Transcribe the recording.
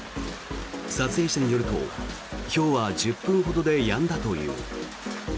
撮影者によると、ひょうは１０分ほどでやんだという。